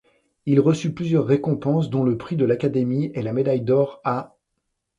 Il reçut plusieurs récompenses dont le Prix de l'Académie et la médaille d'or à.